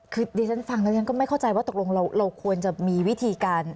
คือดิฉันฟังแล้วฉันก็ไม่เข้าใจว่าตกลงเราควรจะมีวิธีการ